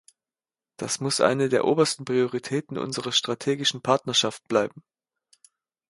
Das muss eine der obersten Prioritäten unserer strategischen Partnerschaft bleiben.